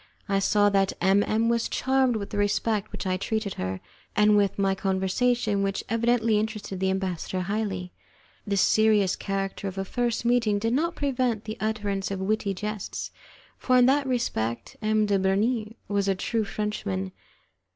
I saw that M M was charmed with the respect with which I treated her, and with my conversation, which evidently interested the ambassador highly. The serious character of a first meeting did not prevent the utterance of witty jests, for in that respect M. de Bernis was a true Frenchman.